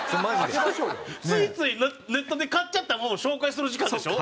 ついついネットで買っちゃったもの紹介する時間でしょ？